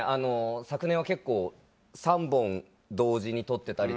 昨年は結構３本同時に撮ってたりとか。